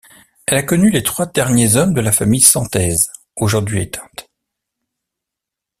Elle a connu les trois derniers hommes de la famille Santèze, aujourd’hui éteinte.